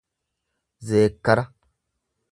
zeekkara